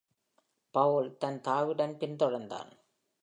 பவுல் தன் தாயுடன் பின்தொடர்ந்தான்.